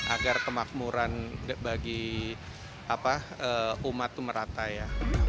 agar kemakmuran bagi umat itu merata ya